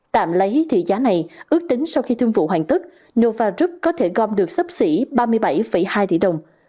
tạm lấy thị giá này ước tính sau khi thương vụ hoàn tất novarub có thể gom được sắp xỉ ba mươi bảy hai tỷ đồng